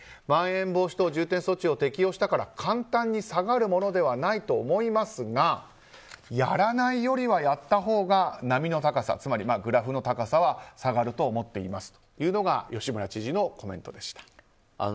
まん延防止等重点措置を適用したから簡単に下がるものではないと思いますがやらないよりはやったほうが波の高さつまりグラフの高さは下がると思っていますというのが吉村知事のコメントでした。